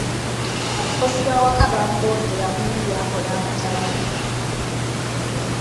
Abakozi b'awaka baamuloopera munne by'akola nga taliiwo.